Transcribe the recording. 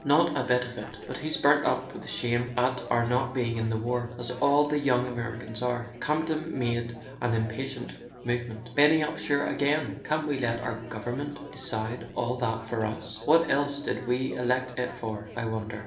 "Not a bit of it. .. But he's burnt up with shame at our not being in the war—as all the young Americans are." Campton made an impatient movement. "Benny Upsher again ! Can't we let our government de¬ cide all that for us? What else did we elect it for, I wonder?"